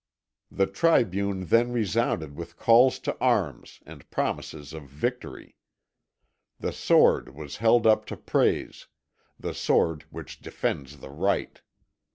The tribune then resounded with calls to arms and promises of victory. The sword was held up to praise, the sword which defends the right.